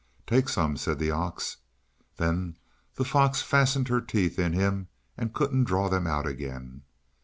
"Take some," said the ox. Then the fox fastened her teeth in him and couldn't draw them out again.